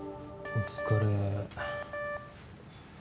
お疲れ。